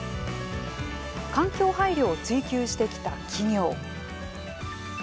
環境配慮を追求してきた企業。